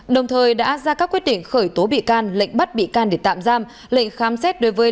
đồng thời đã ra các quyết định khởi tố bị can lệnh bắt bị can để tạm giam lệnh khám xét đối với